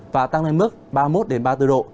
và tăng lên mức ba mươi một ba mươi bốn độ